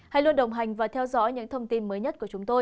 hãy luôn đồng hành và theo dõi những thông tin mới nhất của chúng tôi